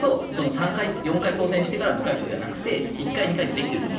３回４回当選してから部会長じゃなくて１回でもできていると。